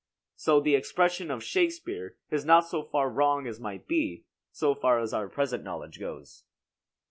So the expression of Shakespeare is not so far wrong as might be, so far as our present knowledge goes.